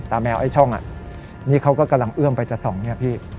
แมวไอ้ช่องนี่เขาก็กำลังเอื้อมไปจะส่องเนี่ยพี่